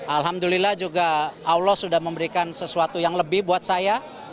alhamdulillah juga allah sudah memberikan sesuatu yang lebih buat saya